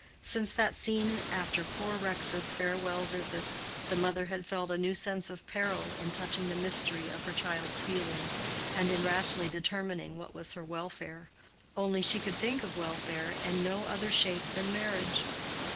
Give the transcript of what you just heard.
Since that scene after poor Rex's farewell visit, the mother had felt a new sense of peril in touching the mystery of her child's feeling, and in rashly determining what was her welfare: only she could think of welfare in no other shape than marriage.